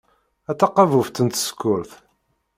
A taqabubt n tsekkurt.